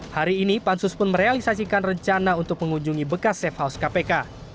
hari ini pansus pun merealisasikan rencana untuk mengunjungi bekas safe house kpk